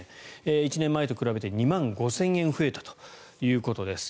１年前と比べて２万５０００円増えたということです。